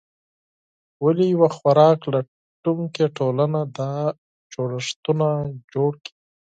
ولې یوه خوراک لټونکې ټولنه دا جوړښتونه جوړ کړي؟